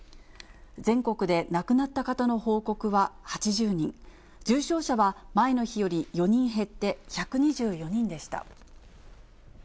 全国で亡くなった方の報告は８０人、重症者は前の日より４人減って１２４人でした。